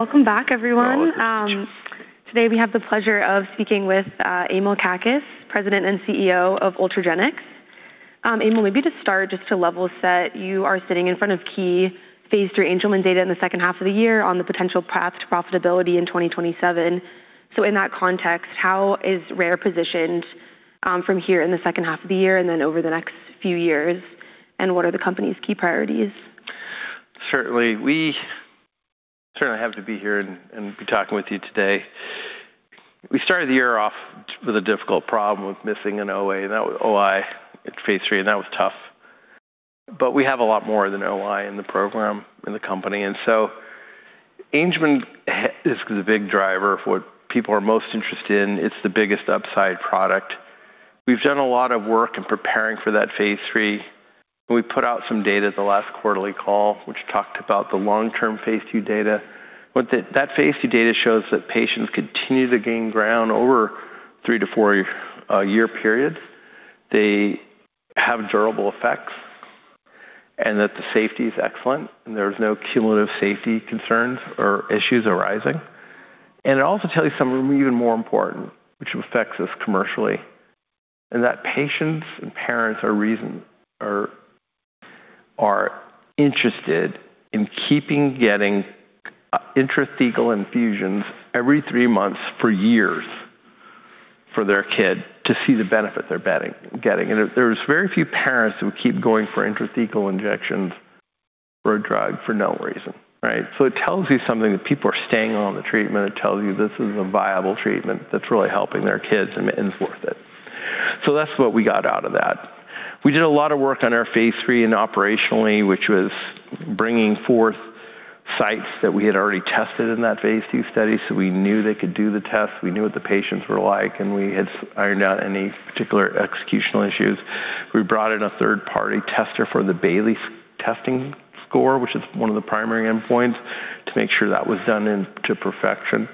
Welcome back, everyone. Welcome. Today we have the pleasure of speaking with Emil Kakkis, President and Chief Executive Officer of Ultragenyx. Emil, to start, just to level set, you are sitting in front of key phase III Angelman data in the second half of the year on the potential path to profitability in 2027. In that context, how is Rare positioned from here in the second half of the year and then over the next few years, and what are the company's key priorities? Certainly. We certainly are happy to be here and be talking with you today. We started the year off with a difficult problem of missing an OI at phase III, and that was tough. We have a lot more than OI in the program, in the company. Angelman is the big driver for what people are most interested in. It's the biggest upside product. We've done a lot of work in preparing for that phase III. We put out some data at the last quarterly call, which talked about the long-term phase II data. What that phase II data shows is that patients continue to gain ground over three to four-year periods. They have durable effects, and that the safety is excellent, and there's no cumulative safety concerns or issues arising. It also tells you something even more important, which affects us commercially, in that patients and parents are interested in keeping getting intrathecal infusions every three months for years for their kid to see the benefit they're getting. There's very few parents who keep going for intrathecal injections for a drug for no reason. It tells you something that people are staying on the treatment. It tells you this is a viable treatment that's really helping their kids and is worth it. That's what we got out of that. We did a lot of work on our phase III and operationally, which was bringing forth sites that we had already tested in that phase II study, so we knew they could do the test, we knew what the patients were like, and we had ironed out any particular executional issues. We brought in a third-party tester for the Bayley, which is one of the primary endpoints, to make sure that was done to perfection.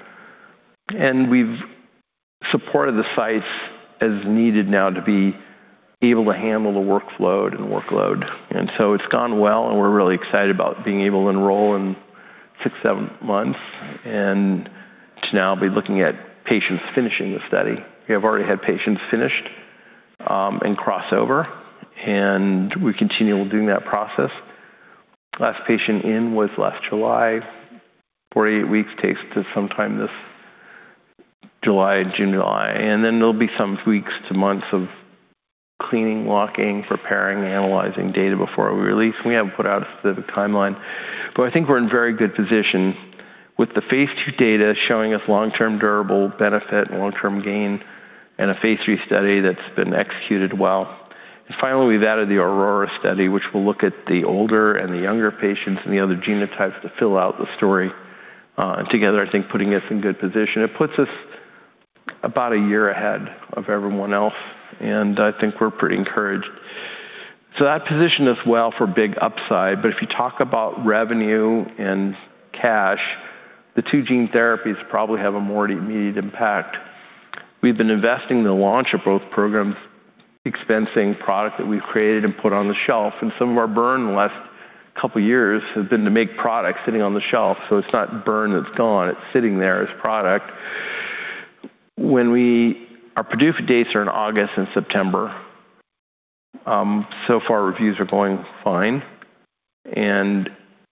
We've supported the sites as needed now to be able to handle the workload. It's gone well, and we're really excited about being able to enroll in six, seven months and to now be looking at patients finishing the study. We have already had patients finished in crossover, and we continue doing that process. Last patient in was last July. Four to eight weeks takes to sometime this July and June-July. Then there'll be some weeks to months of cleaning, locking, preparing, analyzing data before we release. We haven't put out a specific timeline. I think we're in very good position with the phase II data showing us long-term durable benefit and long-term gain, and a phase III study that's been executed well. Finally, we've added the Aurora study, which will look at the older and the younger patients and the other genotypes to fill out the story together, I think putting us in good position. It puts us about a year ahead of everyone else, and I think we're pretty encouraged. That positions us well for big upside. If you talk about revenue and cash, the two gene therapies probably have a more immediate impact. We've been investing in the launch of both programs, expensing product that we've created and put on the shelf, and some of our burn in the last couple of years has been to make product sitting on the shelf. It's not burn that's gone. It's sitting there as product. Our PDUFA dates are in August and September. So far, reviews are going fine.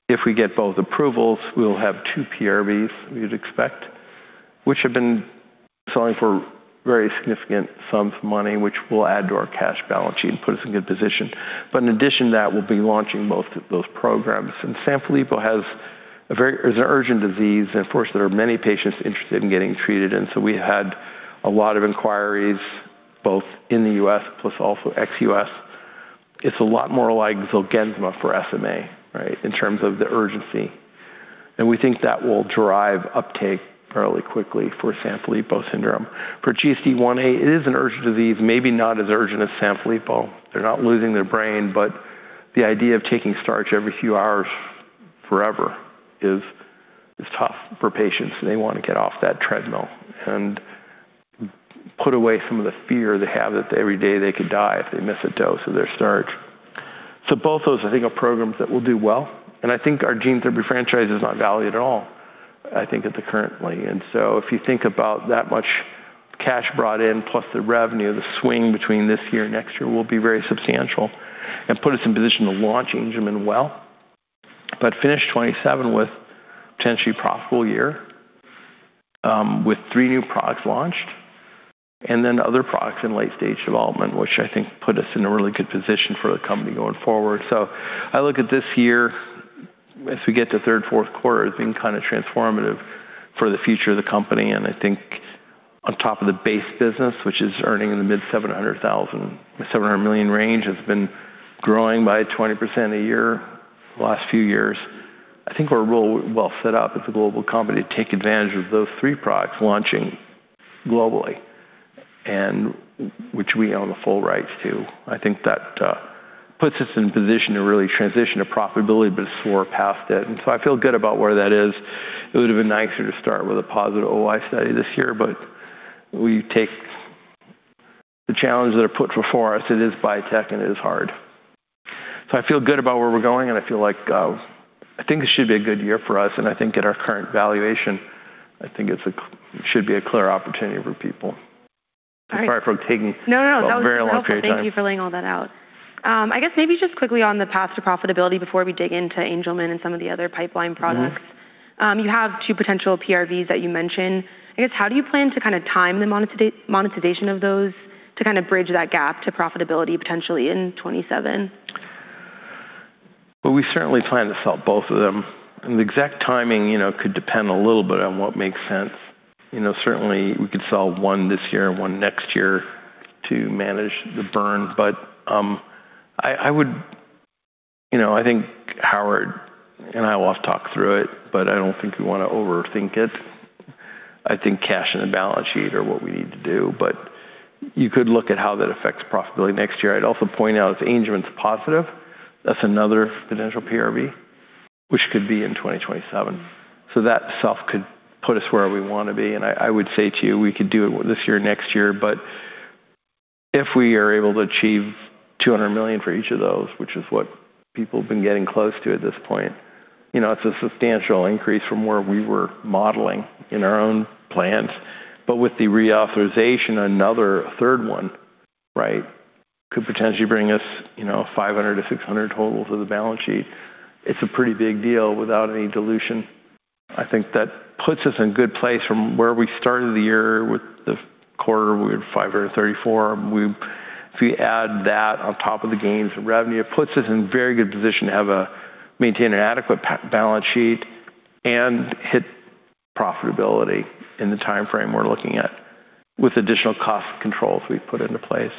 If we get both approvals, we'll have two PRVs, we'd expect, which have been selling for very significant sums of money, which will add to our cash balance sheet and put us in good position. In addition to that, we'll be launching both of those programs. Sanfilippo is an urgent disease. Of course, there are many patients interested in getting treated, and so we had a lot of inquiries both in the U.S. plus also ex-U.S. It's a lot more like ZOLGENSMA for SMA in terms of the urgency. We think that will drive uptake fairly quickly for Sanfilippo syndrome. For GSD1a, it is an urgent disease, maybe not as urgent as Sanfilippo. They're not losing their brain, but the idea of taking starch every few hours forever is tough for patients. They want to get off that treadmill and put away some of the fear they have that every day they could die if they miss a dose of their starch. Both those, I think, are programs that will do well, and I think our gene therapy franchise is not valued at all, I think currently. If you think about that much cash brought in plus the revenue, the swing between this year and next year will be very substantial and put us in position to launch Angelman well. Finish 2027 with potentially profitable year with three new products launched, then other products in late-stage development, which I think put us in a really good position for the company going forward. I look at this year as we get to third, fourth quarter as being kind of transformative for the future of the company. I think on top of the base business, which is earning in the mid $700,000, $700 million range, has been growing by 20% a year last few years. I think we're real well set up as a global company to take advantage of those three products launching globally, and which we own the full rights to. That puts us in position to really transition to profitability, but soar past it. I feel good about where that is. It would have been nicer to start with a positive OI study this year, but we take the challenges that are put before us, it is biotech and it is hard. I feel good about where we're going, and I feel like, I think it should be a good year for us, and I think at our current valuation, I think it should be a clear opportunity for people. All right. Apart from taking- No, that was helpful a very long period of time. Thank you for laying all that out. I guess maybe just quickly on the path to profitability before we dig into Angelman and some of the other pipeline products. You have two potential PRVs that you mentioned. I guess, how do you plan to time the monetization of those to bridge that gap to profitability potentially in 2027? Well, we certainly plan to sell both of them, the exact timing could depend a little bit on what makes sense. Certainly, we could sell one this year and one next year to manage the burn. I think Howard and I will have talked through it, but I don't think we want to overthink it. I think cash and the balance sheet are what we need to do, but you could look at how that affects profitability next year. I'd also point out if Angelman's positive, that's another potential PRV, which could be in 2027. That itself could put us where we want to be, and I would say to you, we could do it this year, next year. If we are able to achieve $200 million for each of those, which is what people have been getting close to at this point, it's a substantial increase from where we were modeling in our own plans. With the reauthorization, another third one, could potentially bring us $500-$600 total to the balance sheet. It's a pretty big deal without any dilution. I think that puts us in a good place from where we started the year with the quarter, we had $534. If we add that on top of the gains from revenue, it puts us in very good position to maintain an adequate balance sheet and hit profitability in the timeframe we're looking at with additional cost controls we've put into place.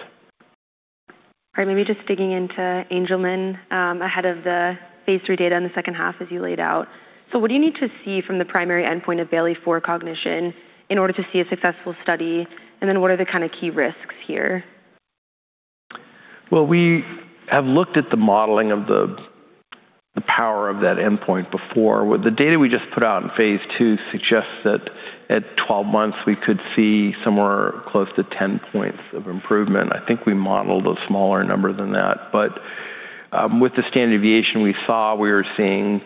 All right. Maybe just digging into Angelman, ahead of the phase III data in the second half as you laid out. What do you need to see from the primary endpoint of Bayley-4 cognition in order to see a successful study? What are the kind of key risks here? Well, we have looked at the modeling of the power of that endpoint before. The data we just put out in phase II suggests that at 12 months, we could see somewhere close to 10 points of improvement. I think we modeled a smaller number than that. With the standard deviation we saw, we were seeing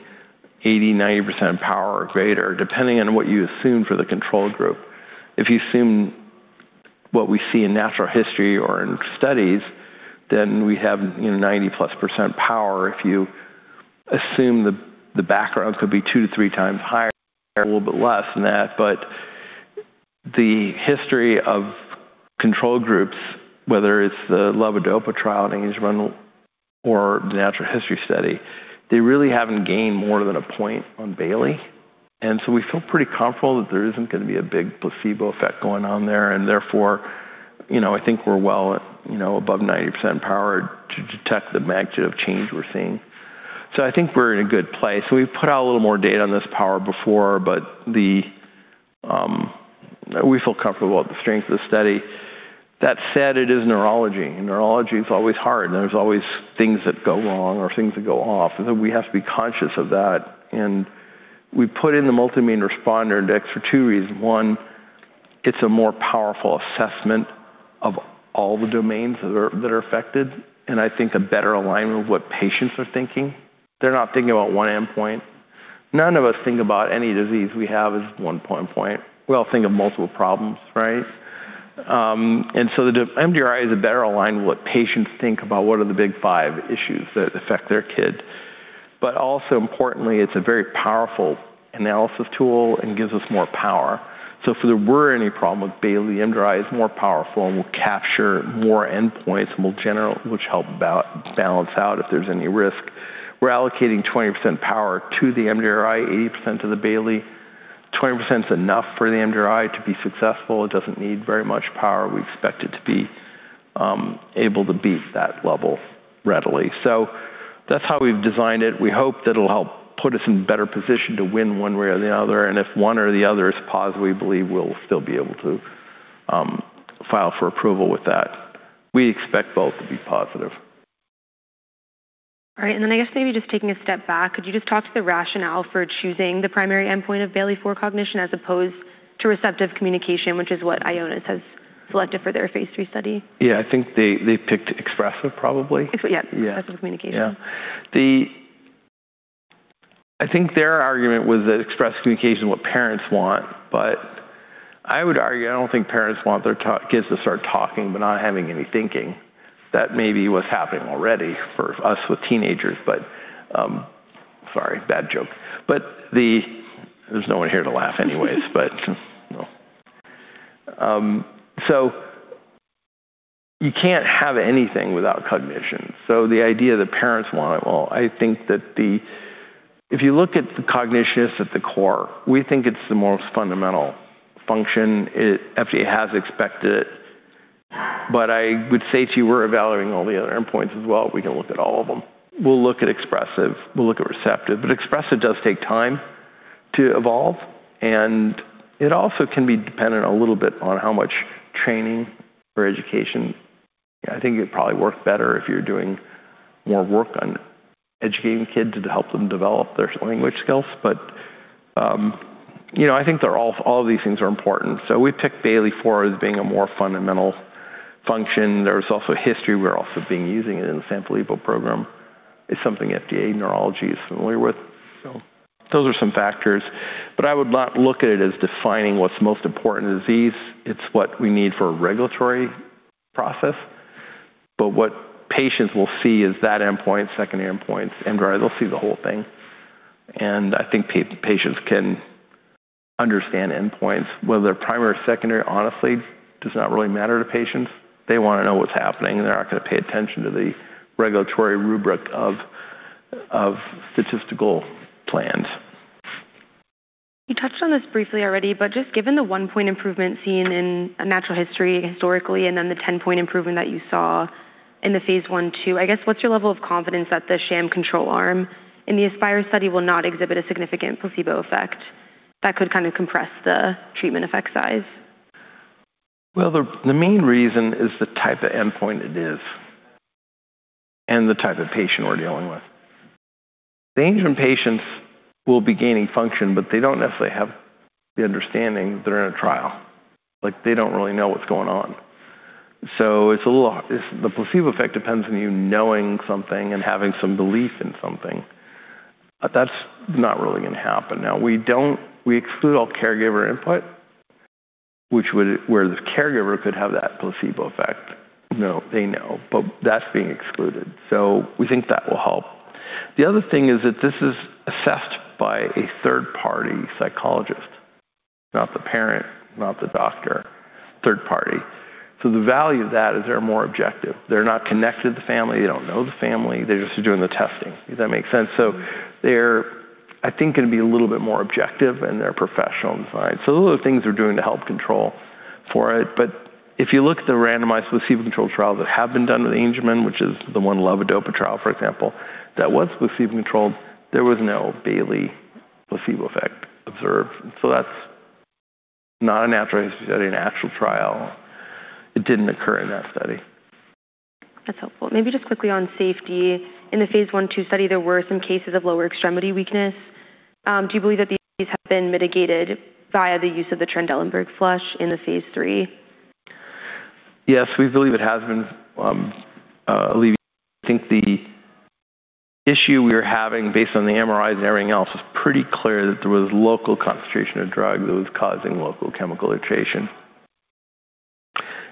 80%-90% power or greater, depending on what you assume for the control group. If you assume what we see in natural history or in studies, then we have 90%+ power. If you assume the background could be two to three times higher, a little bit less than that. The history of control groups, whether it's the levodopa trial in Angelman or the natural history study, they really haven't gained more than a point on Bayley, we feel pretty comfortable that there isn't going to be a big placebo effect going on there. Therefore, I think we're well above 90% power to detect the magnitude of change we're seeing. I think we're in a good place. We've put out a little more data on this power before, we feel comfortable with the strength of the study. That said, it is neurology is always hard, there's always things that go wrong or things that go off, we have to be conscious of that. We put in the multi-domain responder index for two reasons. One, it's a more powerful assessment of all the domains that are affected, I think a better alignment of what patients are thinking. They're not thinking about one endpoint. None of us think about any disease we have as one point. We all think of multiple problems, right? The mDRI is a better alignment of what patients think about what are the big five issues that affect their kid. Also importantly, it's a very powerful analysis tool and gives us more power. If there were any problem with Bayley, mDRI is more powerful and will capture more endpoints, which help balance out if there's any risk. We're allocating 20% power to the mDRI, 80% to the Bayley. 20% is enough for the mDRI to be successful. It doesn't need very much power. We expect it to be able to beat that level readily. That's how we've designed it. We hope that it'll help put us in better position to win one way or the other, if one or the other is positive, we believe we'll still be able to file for approval with that. We expect both to be positive. All right, I guess maybe just taking a step back, could you just talk to the rationale for choosing the primary endpoint of Bayley-4 cognition as opposed to receptive communication, which is what Ionis has selected for their phase III study? Yeah. I think they picked expressive probably. Yeah. Expressive communication. Yeah. I think their argument was that expressive communication is what parents want, but I would argue, I don't think parents want their kids to start talking but not having any thinking. That may be what's happening already for us with teenagers. Sorry, bad joke. There's no one here to laugh anyways. No. You can't have anything without cognition. The idea that parents want it, well, I think that if you look at the cognitions at the core, we think it's the most fundamental function. FDA has expected it. I would say to you we're evaluating all the other endpoints as well. We can look at all of them. We'll look at expressive, we'll look at receptive. Expressive does take time to evolve, and it also can be dependent a little bit on how much training or education. I think it would probably work better if you're doing more work on educating kids to help them develop their language skills. I think all of these things are important. We picked Bayley-4 as being a more fundamental function. There's also history. We're also being using it in the Sanfilippo program. It's something FDA Neurology is familiar with. Those are some factors. I would not look at it as defining what's most important in the disease. It's what we need for a regulatory process. What patients will see is that endpoint, secondary endpoints, and they'll see the whole thing. I think patients can understand endpoints, whether they're primary or secondary, honestly, does not really matter to patients. They want to know what's happening. They're not going to pay attention to the regulatory rubric of statistical plans. You touched on this briefly already, but just given the one-point improvement seen in natural history historically, and then the 10-point improvement that you saw in the phase I/II, I guess what's your level of confidence that the sham control arm in the Aspire study will not exhibit a significant placebo effect that could kind of compress the treatment effect size? The main reason is the type of endpoint it is and the type of patient we're dealing with. The Angelman patients will be gaining function, but they don't necessarily have the understanding that they're in a trial. They don't really know what's going on. The placebo effect depends on you knowing something and having some belief in something. That's not really going to happen. We exclude all caregiver input, where the caregiver could have that placebo effect. They know, but that's being excluded. We think that will help. The other thing is that this is assessed by a third-party psychologist, not the parent, not the doctor, third party. The value of that is they're more objective. They're not connected to the family. They don't know the family. They're just doing the testing. Does that make sense? They're, I think, going to be a little bit more objective, and they're professional in science. Those are the things we're doing to help control for it. If you look at the randomized placebo-controlled trials that have been done with Angelman, which is the one levodopa trial, for example, that was placebo-controlled. There was no Bayley placebo effect observed. That's not a natural history study, a natural trial. It didn't occur in that study. That's helpful. Maybe just quickly on safety. In the phase I/II study, there were some cases of lower extremity weakness. Do you believe that these have been mitigated via the use of the Trendelenburg flush in the phase III? Yes, we believe it has been alleviated. I think the issue we were having, based on the MRIs and everything else, was pretty clear that there was local concentration of drug that was causing local chemical irritation.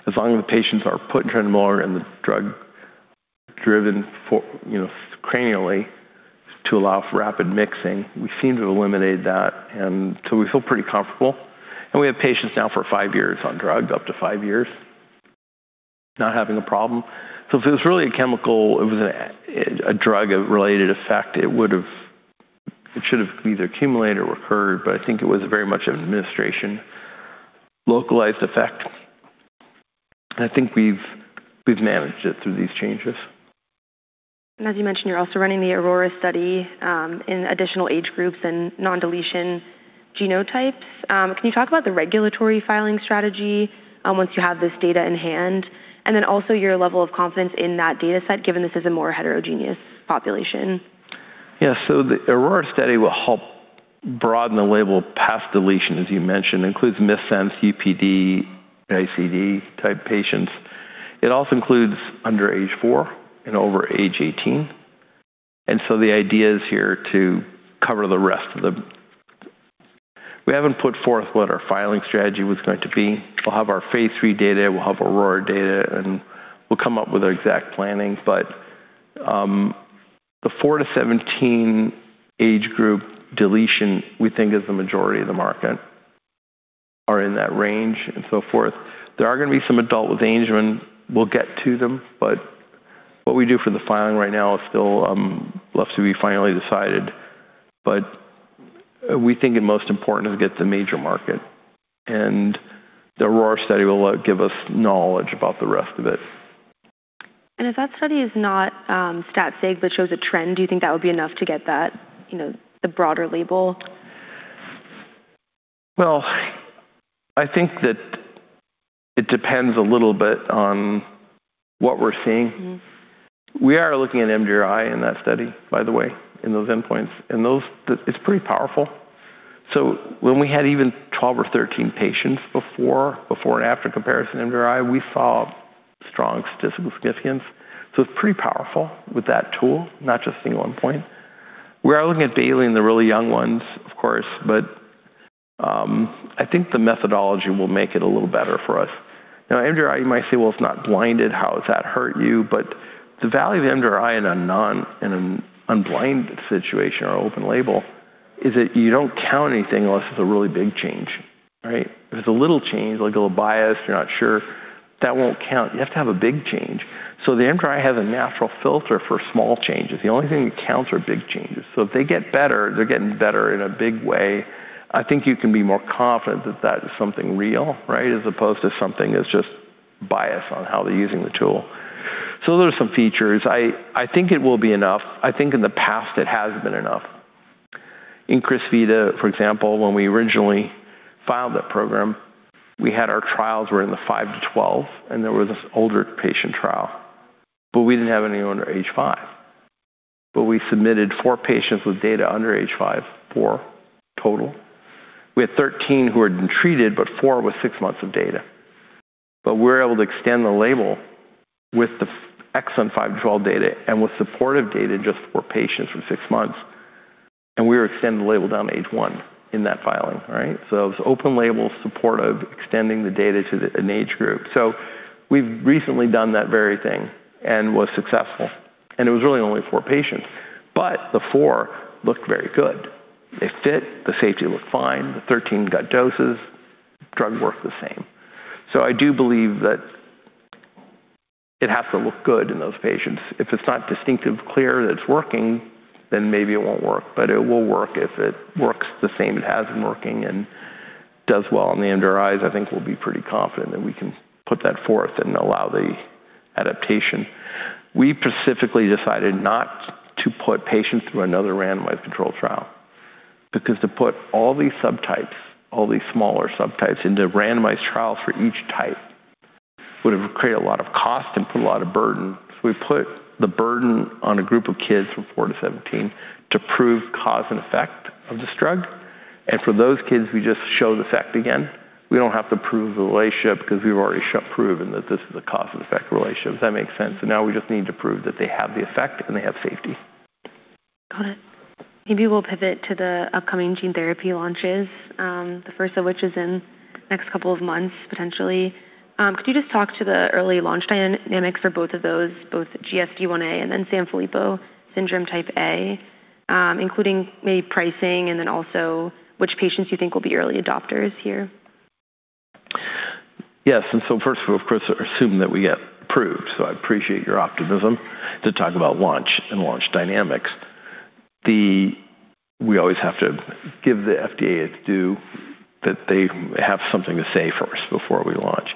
As long as patients are put in Trendelenburg and the drug driven cranially to allow for rapid mixing, we seem to have eliminated that. We feel pretty comfortable. We have patients now for five years on drug, up to five years, not having a problem. If it was really a chemical, it was a drug-related effect, it should have either accumulated or recurred, but I think it was very much an administration localized effect. I think we've managed it through these changes. As you mentioned, you're also running the AURORA study in additional age groups and non-deletion genotypes. Can you talk about the regulatory filing strategy once you have this data in hand, and then also your level of confidence in that data set, given this is a more heterogeneous population? The AURORA study will help broaden the label past deletion, as you mentioned. Includes missense, UPD, ICD-type patients. It also includes under age four and over age 18. The idea is here to cover the rest of them. We haven't put forth what our filing strategy was going to be. We'll have our phase III data, we'll have AURORA data, and we'll come up with our exact planning. The 4-17 age group deletion, we think is the majority of the market, are in that range and so forth. There are going to be some adult with Angelman. We'll get to them. What we do for the filing right now is still left to be finally decided. We think it most important to get the major market, and the AURORA study will give us knowledge about the rest of it. If that study is not stat sig but shows a trend, do you think that would be enough to get the broader label? Well, I think that it depends a little bit on what we're seeing. We are looking at MDRI in that study, by the way, in those endpoints, and it's pretty powerful. When we had even 12 or 13 patients before and after comparison MDRI, we saw strong statistical significance. It's pretty powerful with that tool, not just the one point. We are looking at Bayley in the really young ones, of course, but I think the methodology will make it a little better for us. MDRI, you might say, Well, it's not blinded. How does that hurt you? The value of MDRI in an unblinded situation or open label is that you don't count anything unless it's a really big change, right? If it's a little change, like a little biased, you're not sure, that won't count. You have to have a big change. The MDRI has a natural filter for small changes. The only thing that counts are big changes. If they get better, they're getting better in a big way. I think you can be more confident that that is something real, right, as opposed to something that's just biased on how they're using the tool. Those are some features. I think it will be enough. I think in the past, it has been enough. In Crysvita, for example, when we originally filed that program, we had our trials were in the 5-12, and there was this older patient trial. We didn't have anyone under age five. We submitted four patients with data under age five, four total. We had 13 who had been treated, but four with six months of data. We were able to extend the label with the exon 5-12 data and with supportive data just for patients for six months. We were extending the label down to age one in that filing. It was open label supportive, extending the data to an age group. We've recently done that very thing and was successful, and it was really only four patients, but the four looked very good. They fit, the safety looked fine. The 13 got doses, drug worked the same. I do believe that it has to look good in those patients. If it's not distinctive, clear that it's working, then maybe it won't work. It will work if it works the same it has been working and does well on the under-fives, I think we'll be pretty confident that we can put that forth and allow the adaptation. We specifically decided not to put patients through another randomized control trial, because to put all these subtypes, all these smaller subtypes into randomized trials for each type would have created a lot of cost and put a lot of burden. We put the burden on a group of kids from 4-17 to prove cause and effect of this drug. For those kids, we just show the effect again. We don't have to prove the relationship because we've already proven that this is a cause and effect relationship. Does that make sense? Now we just need to prove that they have the effect and they have safety. Got it. Maybe we'll pivot to the upcoming gene therapy launches, the first of which is in the next couple of months, potentially. Could you just talk to the early launch dynamics for both of those, both GSD1a and then Sanfilippo syndrome type A, including maybe pricing, and then also which patients you think will be early adopters here? Yes. First of all, of course, assume that we get approved. I appreciate your optimism to talk about launch and launch dynamics. We always have to give the FDA its due that they have something to say first before we launch.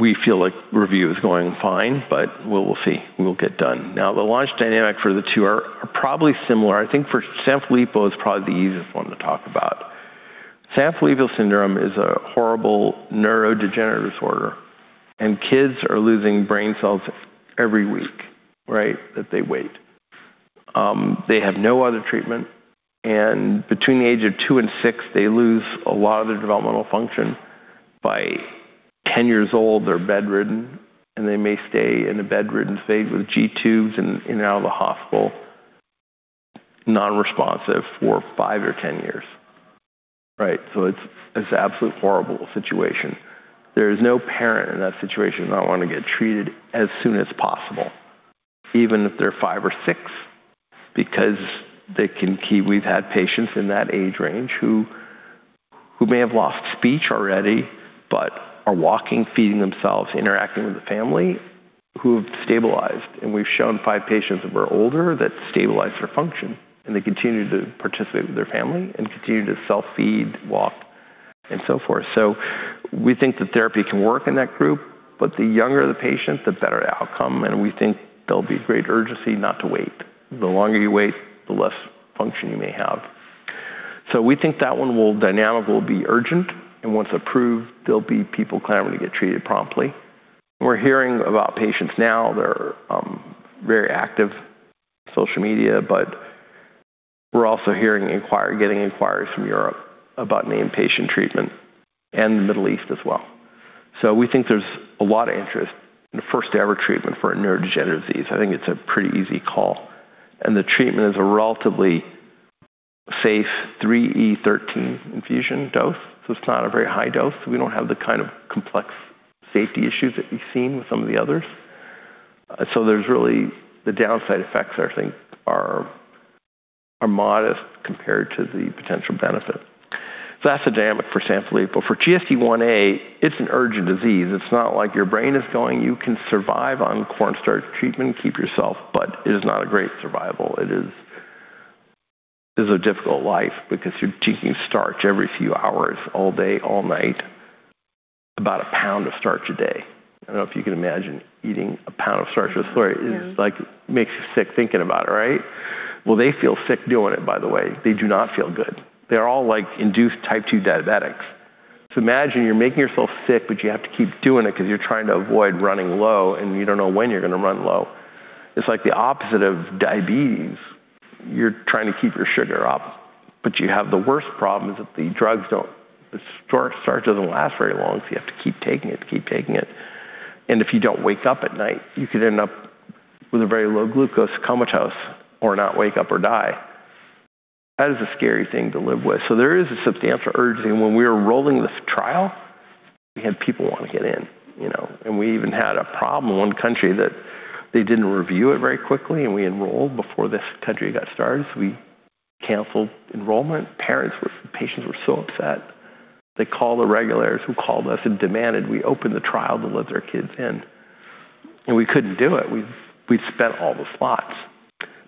We feel like review is going fine, we'll see. We'll get done. The launch dynamic for the two are probably similar. I think for Sanfilippo, it's probably the easiest one to talk about. Sanfilippo syndrome is a horrible neurodegenerative disorder, kids are losing brain cells every week that they wait. They have no other treatment, between the age of two and six, they lose a lot of their developmental function. By 10 years old, they're bedridden, they may stay in a bedridden state with G-tubes in and out of the hospital, non-responsive for five or 10 years. It's absolute horrible situation. There is no parent in that situation that would not want to get treated as soon as possible, even if they're five or six, because we've had patients in that age range who may have lost speech already but are walking, feeding themselves, interacting with the family, who have stabilized. We've shown five patients that were older that stabilized their function, they continue to participate with their family and continue to self-feed, walk, and so forth. We think the therapy can work in that group, the younger the patient, the better the outcome, we think there'll be great urgency not to wait. The longer you wait, the less function you may have. We think that one dynamic will be urgent, once approved, there'll be people clamoring to get treated promptly. We're hearing about patients now. They're very active social media. We're also getting inquiries from Europe about the inpatient treatment, and the Middle East as well. We think there's a lot of interest in the first-ever treatment for a neurodegenerative disease. I think it's a pretty easy call. The treatment is a relatively safe 3E13 infusion dose. It's not a very high dose. We don't have the kind of complex safety issues that we've seen with some of the others. The downside effects, I think, are modest compared to the potential benefit. That's the dynamic for Sanfilippo. For GSDIa, it's an urgent disease. It's not like your brain is going, you can survive on cornstarch treatment, keep yourself. It is not a great survival. It is a difficult life because you're taking starch every few hours, all day, all night, about a pound of starch a day. I don't know if you can imagine eating a pound of starch. It makes you sick thinking about it, right? They feel sick doing it, by the way. They do not feel good. They're all induced type 2 diabetics. Imagine you're making yourself sick. You have to keep doing it because you're trying to avoid running low. You don't know when you're going to run low. It's like the opposite of diabetes. You're trying to keep your sugar up. You have the worst problem that the starch doesn't last very long. You have to keep taking it. If you don't wake up at night, you could end up with a very low glucose comatose or not wake up or die. That is a scary thing to live with. There is a substantial urgency. When we were rolling this trial, we had people want to get in. We even had a problem in one country that they didn't review it very quickly. We enrolled before this country got started. We canceled enrollment. Parents, patients were so upset. They called the regulators, who called us. Demanded we open the trial to let their kids in. We couldn't do it. We'd spent all the slots.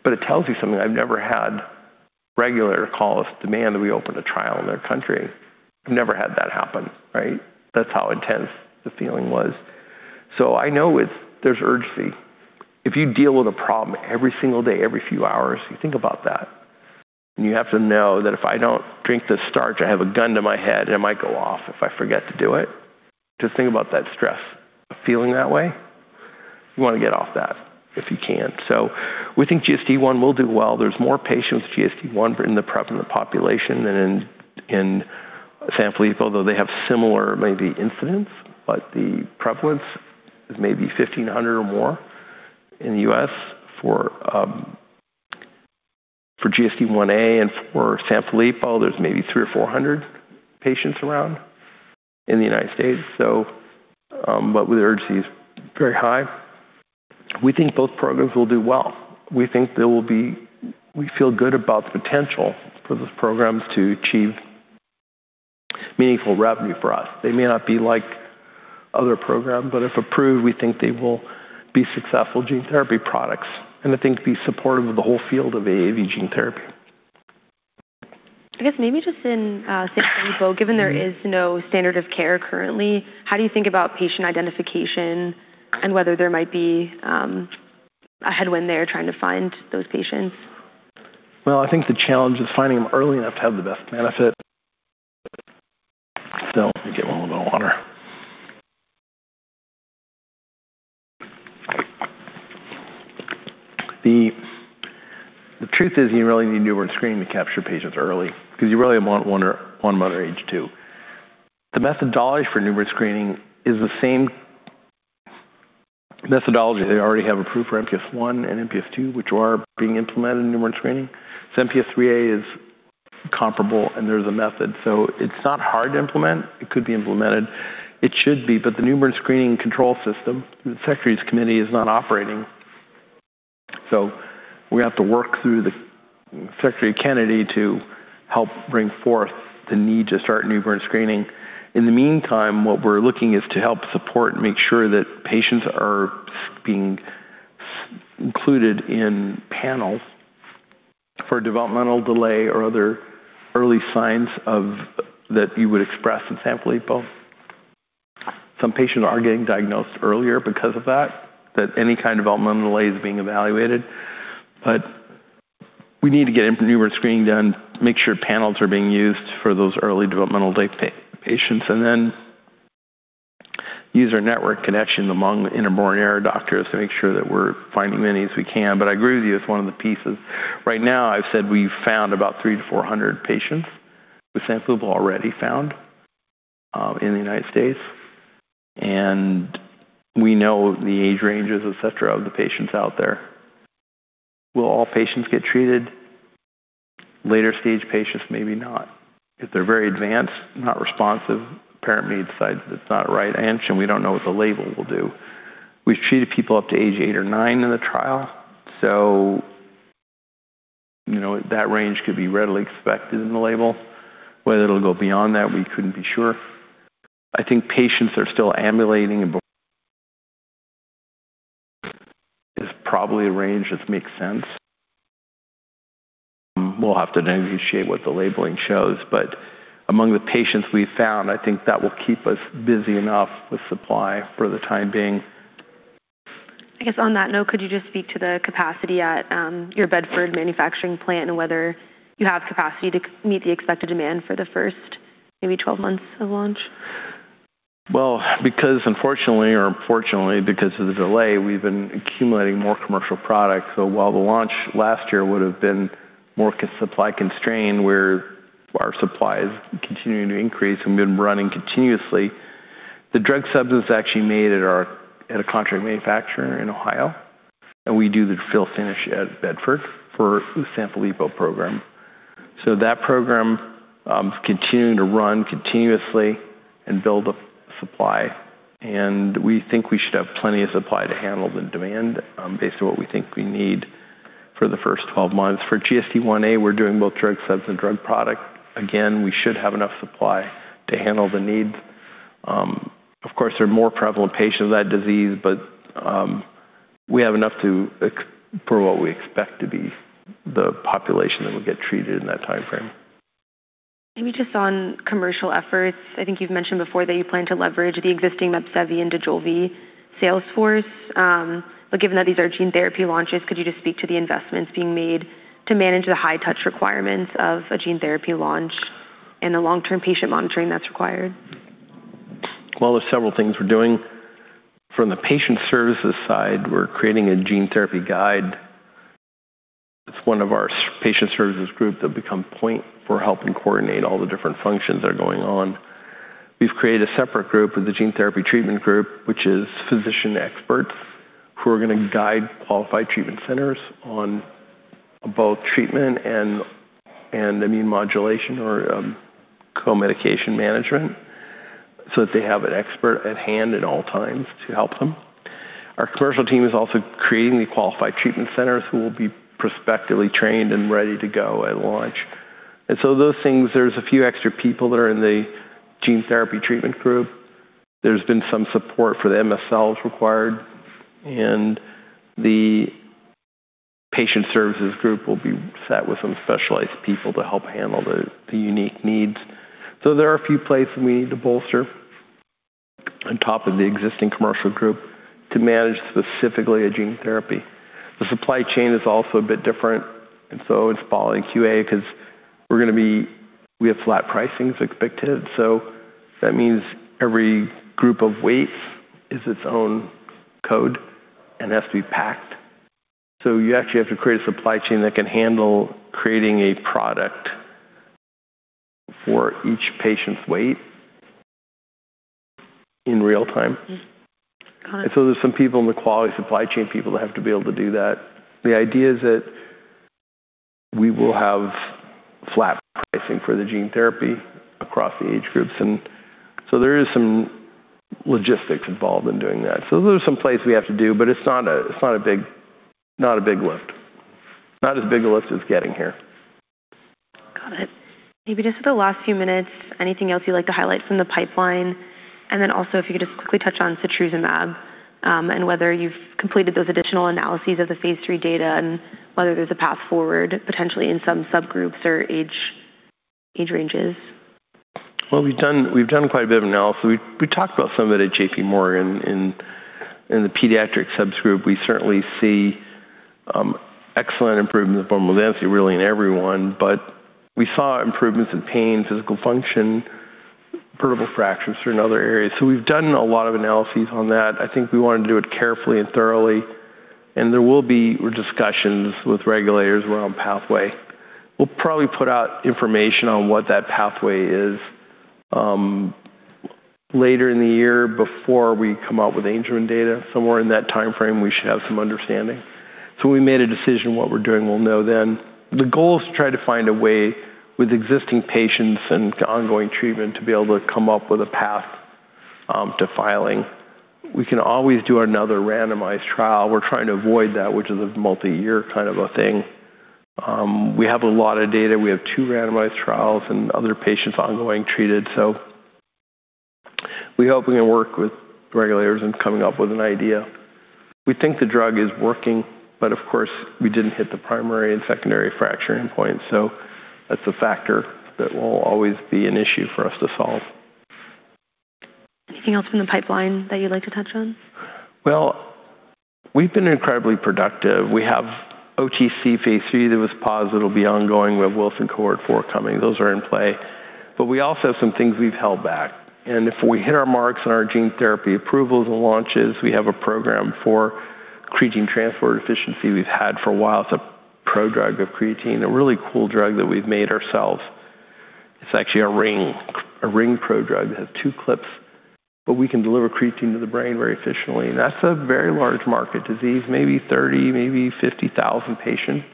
It tells you something. I've never had regulators call us, demand that we open a trial in their country. I've never had that happen. That's how intense the feeling was. I know there's urgency. If you deal with a problem every single day, every few hours, you think about that. You have to know that if I don't drink this starch, I have a gun to my head, and it might go off if I forget to do it. Just think about that stress of feeling that way. You want to get off that if you can. We think GSD1 will do well. There's more patients with GSD1 in the prevalent population than in Sanfilippo, though they have similar maybe incidence. The prevalence is maybe 1,500 or more in the U.S. for GSD1a and for Sanfilippo, there's maybe 300 or 400 patients around in the U.S. The urgency is very high. We think both programs will do well. We feel good about the potential for those programs to achieve meaningful revenue for us. They may not be like other programs. If approved, we think they will be successful gene therapy products. I think be supportive of the whole field of AAV gene therapy. I guess maybe just in Sanfilippo, given there is no standard of care currently, how do you think about patient identification and whether there might be a headwind there trying to find those patients? Well, I think the challenge is finding them early enough to have the best benefit. Still, let me get one little water. The truth is you really need newborn screening to capture patients early because you really want one mother age two. The methodology for newborn screening is the same methodology they already have approved for MPS I and MPS II, which are being implemented in newborn screening. MPS IIIA is comparable, and there's a method. It's not hard to implement. It could be implemented. It should be. The newborn screening control system, the secretary's committee, is not operating. We have to work through Secretary Kennedy to help bring forth the need to start newborn screening. In the meantime, what we're looking is to help support and make sure that patients are being included in panels for developmental delay or other early signs that you would express in Sanfilippo. Some patients are getting diagnosed earlier because of that any kind of developmental delay is being evaluated. We need to get newborn screening done, make sure panels are being used for those early developmental delay patients, and then use our network connection among the inborn error doctors to make sure that we're finding as many as we can. I agree with you, it's one of the pieces. Right now, I've said we've found about 300-400 patients with Sanfilippo already found in the U.S., and we know the age ranges, et cetera, of the patients out there. Will all patients get treated? Later-stage patients, maybe not. If they're very advanced, not responsive, parent may decide that it's not right. We don't know what the label will do. We've treated people up to age eight or nine in the trial, so that range could be readily expected in the label. Whether it'll go beyond that, we couldn't be sure. I think patients are still ambulating and is probably a range that makes sense. We'll have to negotiate what the labeling shows, but among the patients we've found, I think that will keep us busy enough with supply for the time being. I guess on that note, could you just speak to the capacity at your Bedford manufacturing plant and whether you have capacity to meet the expected demand for the first maybe 12 months of launch? Well, unfortunately or fortunately, because of the delay, we've been accumulating more commercial product. While the launch last year would've been more supply-constrained, where our supply is continuing to increase and been running continuously, the drug substance actually made it at a contract manufacturer in Ohio, and we do the fill finish at Bedford for the Sanfilippo program. That program is continuing to run continuously and build a supply, and we think we should have plenty of supply to handle the demand based on what we think we need for the first 12 months. For GSD1a, we're doing both drug subs and drug product. Again, we should have enough supply to handle the needs. Of course, there are more prevalent patients of that disease, but we have enough for what we expect to be the population that will get treated in that timeframe. Maybe just on commercial efforts, I think you've mentioned before that you plan to leverage the existing Mepsevii and Dojolvi sales force. Given that these are gene therapy launches, could you just speak to the investments being made to manage the high-touch requirements of a gene therapy launch and the long-term patient monitoring that's required? Well, there's several things we're doing. From the patient services side, we're creating a gene therapy guide. It's one of our patient services group that become point for helping coordinate all the different functions that are going on. We've created a separate group of the gene therapy treatment group, which is physician experts who are going to guide qualified treatment centers on both treatment and immune modulation or co-medication management so that they have an expert at hand at all times to help them. Our commercial team is also creating the qualified treatment centers who will be prospectively trained and ready to go at launch. Those things, there's a few extra people that are in the gene therapy treatment group. There's been some support for the MSLs required, and the patient services group will be set with some specialized people to help handle the unique needs. There are a few places we need to bolster on top of the existing commercial group to manage specifically a gene therapy. The supply chain is also a bit different, it's following QA because we have flat pricing is expected. That means every group of weights is its own code and has to be packed. You actually have to create a supply chain that can handle creating a product for each patient's weight in real time. Got it. There's some people in the quality supply chain people that have to be able to do that. The idea is that we will have flat pricing for the gene therapy across the age groups, there is some logistics involved in doing that. Those are some places we have to do, but it's not a big lift. Not as big a lift as getting here. Got it. Maybe just for the last few minutes, anything else you'd like to highlight from the pipeline? Also if you could just quickly touch on setrusumab, and whether you've completed those additional analyses of the phase III data and whether there's a path forward potentially in some subgroups or age ranges. Well, we've done quite a bit of analysis. We talked about some of it at JPMorgan in the pediatric subgroup. We certainly see excellent improvement of bone density really in everyone. We saw improvements in pain, physical function, vertebral fractures in other areas. We've done a lot of analyses on that. I think we wanted to do it carefully and thoroughly, and there will be discussions with regulators around pathway. We'll probably put out information on what that pathway is, later in the year before we come out with Angelman data. Somewhere in that timeframe, we should have some understanding. We made a decision what we're doing. We'll know then. The goal is to try to find a way with existing patients and ongoing treatment to be able to come up with a path, to filing. We can always do another randomized trial. We're trying to avoid that, which is a multi-year kind of a thing. We have a lot of data. We have two randomized trials and other patients ongoing treated. We hope we can work with regulators in coming up with an idea. We think the drug is working, but of course, we didn't hit the primary and secondary fracturing point, so that's a factor that will always be an issue for us to solve. Anything else from the pipeline that you'd like to touch on? Well, we've been incredibly productive. We have OTC phase III that was paused, that'll be ongoing. We have Wilson cohort forthcoming. Those are in play. We also have some things we've held back. If we hit our marks on our gene therapy approvals and launches, we have a program for creatine transporter deficiency we've had for a while. It's a pro drug of creatine, a really cool drug that we've made ourselves. It's actually a ring pro drug that has two clips, but we can deliver creatine to the brain very efficiently, and that's a very large market disease, maybe 30,000, maybe 50,000 patients.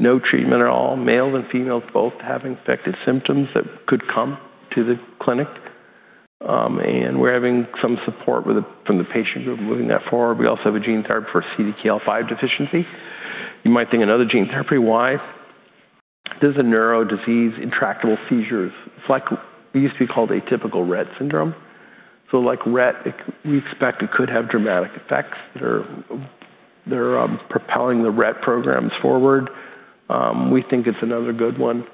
No treatment at all. Males and females both have affected symptoms that could come to the clinic. We're having some support from the patient group moving that forward. We also have a gene therapy for CDKL5 deficiency. You might think another gene therapy, why? This is a neuro disease, intractable seizures. It used to be called atypical Rett syndrome. Like Rett, we expect it could have dramatic effects that are propelling the Rett programs forward. We think it's another good one.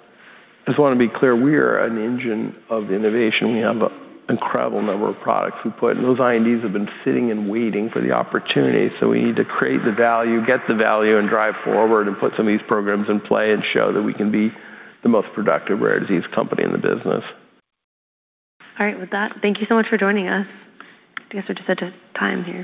I just want to be clear, we are an engine of innovation. We have an incredible number of products we put, and those INDs have been sitting and waiting for the opportunity. We need to create the value, get the value, and drive forward and put some of these programs in play and show that we can be the most productive rare disease company in the business. All right. With that, thank you so much for joining us. I guess we're just out of time here.